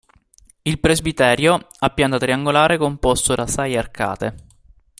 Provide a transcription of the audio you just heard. Il presbiterio a pianta triangolare composto da sei arcate.